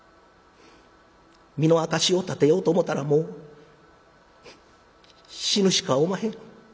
身の証しを立てようと思たらもう死ぬしかおまへん。